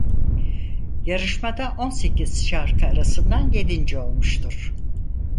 Yarışmada on sekiz şarkı arasından yedinci olmuştur.